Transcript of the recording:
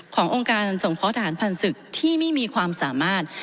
ขององค์การส่งขอสถานพันธุ์ศึกษ์ที่ไม่มีความสามารถ